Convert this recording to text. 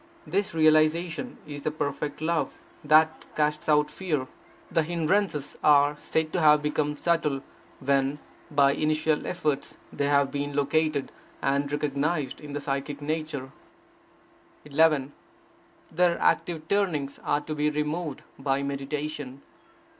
This realization is the perfect love that casts out fear. The hindrances are said to have become subtle when, by initial efforts, they have been located and recognized in the psychic nature. 11. Their active turnings are to be removed by meditation.